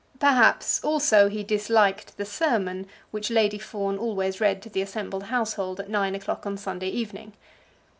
Perhaps, also, he disliked the sermon which Lady Fawn always read to the assembled household at nine o'clock on Sunday evening.